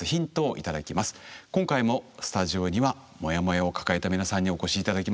今回もスタジオにはモヤモヤを抱えた皆さんにお越し頂きました。